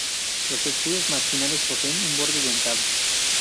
Los escudos marginales poseen un borde dentado.